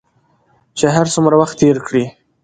چې هر څومره وخت تېر کړې